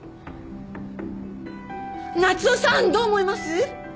夏雄さんどう思います！？